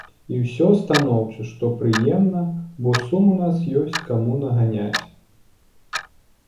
І ўсё станоўча, што прыемна, бо сум ў нас ёсць каму наганяць.